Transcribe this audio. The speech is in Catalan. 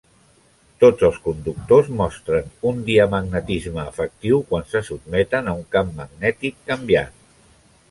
Tots els conductors mostres un diamagnetisme efectiu quan se sotmeten a un camp magnètic canviant.